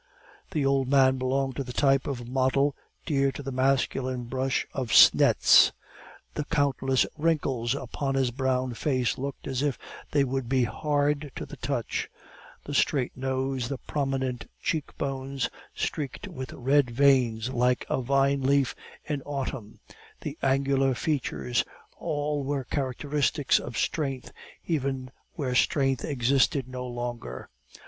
The old man belonged to the type of model dear to the masculine brush of Schnetz. The countless wrinkles upon his brown face looked as if they would be hard to the touch; the straight nose, the prominent cheek bones, streaked with red veins like a vine leaf in autumn, the angular features, all were characteristics of strength, even where strength existed no longer.